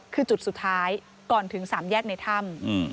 คือจุดสุดท้ายก่อนถึง๓แยกในถ้ำ